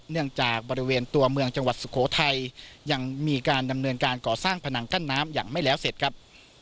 จากบริเวณตัวเมืองจังหวัดสุโขทัยยังมีการดำเนินการก่อสร้างผนังกั้นน้ำอย่างไม่แล้วเสร็จครับ